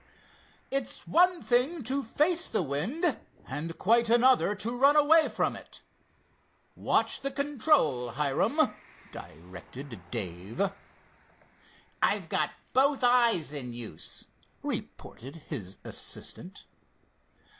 "It's one thing to face the wind, and quite another to run away from it. Watch the control, Hiram," directed Dave. "I've got both eyes in use," reported his assistant.